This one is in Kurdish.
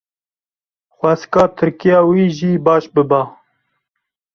xwesika Tirkiya we jî baş biba.